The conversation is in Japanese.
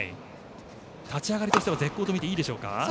立ち上がりとしては絶好と見ていいでしょうか？